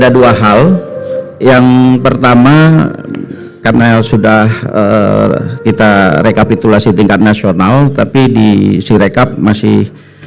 data suara sah dan tidak sah